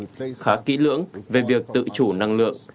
trong một sự chuẩn bị khá kỹ lưỡng về việc tự chủ năng lượng